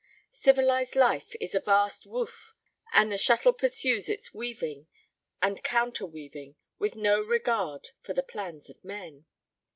Civilized life is a vast woof and the shuttle pursues its weaving and counter weaving with no regard for the plans of men.